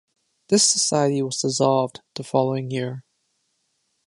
This society was dissolved the following year.